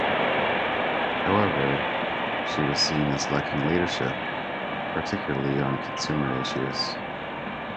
However, she was seen as lacking leadership, particularly on consumer issues.